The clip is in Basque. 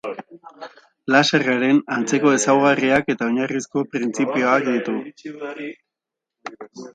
Laserraren antzeko ezaugarriak eta oinarrizko printzipioak ditu.